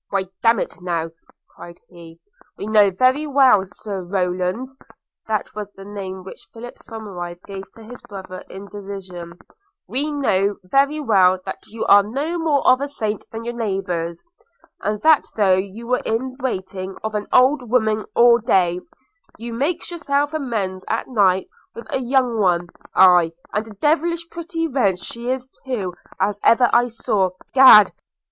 'Why, damn it now!' cried he, 'we know very well, Sir Rowland ( that was the name which Philip Somerive gave to his brother in derision), we know very well that you are no more of a saint than your neighbours; and that though you are in waiting on an old woman all day, you makes yourself amends at night with a young one – aye, and a devilish pretty wench she is too as ever I saw. Egad!